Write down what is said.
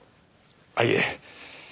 あっいえ。